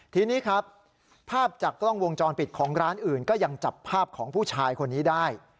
ทีนี้ครับภาพจากกล้องวงจรปิดของร้านอื่นก็ยังจับภาพของผู้ชายคนนี้ได้